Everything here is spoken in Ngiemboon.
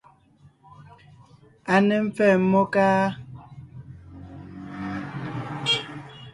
A ne mpfɛ́ɛ mmó, káá?